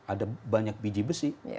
ada banyak biji besi